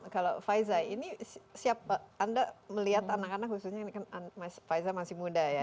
kalau faiza ini siapa anda melihat anak anak khususnya faiza masih muda ya